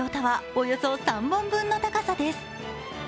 およそ３本分の高さです。